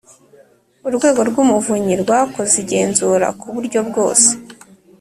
Urwego rw Umuvunyi rwakoze igenzura ku buryo bwose